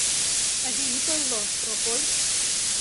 — Тыге ит ойло, Прокой.